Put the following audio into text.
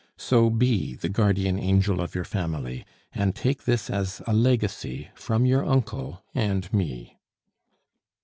So be the guardian angel of your family, and take this as a legacy from your uncle and me."